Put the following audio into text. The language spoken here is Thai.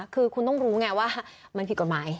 คือคุณต้องรู้ไงว่ามันผิดกฎหมาย